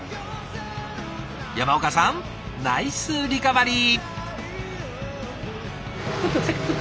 山岡さんナイスリカバリー。